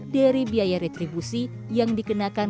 dari biaya retribusi yang dikenakan